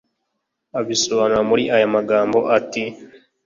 Abisobanura muri aya magambo ati